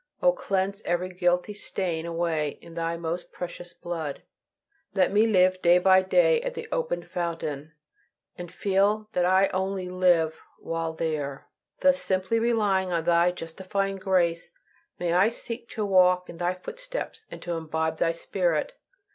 O cleanse every guilty stain away in thy most precious blood. Let me live day by day at the opened fountain, and feel that I only "live" while there. Thus simply relying on Thy justifying grace, may I seek to walk in Thy footsteps and to imbibe Thy spirit.